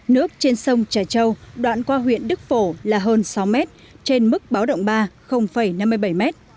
nước trên sông trà câu đoạn qua huyện đức phổ là hơn sáu mét trên mức báo động ba năm mươi bảy mét